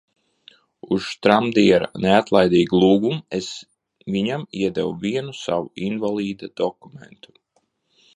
Uz Štramdiera neatlaidīgu lūgumu es viņam iedevu vienu savu invalīda dokumentu.